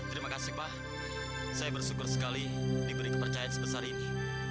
terima kasih pak saya bersyukur sekali diberi kepercayaan sebesar ini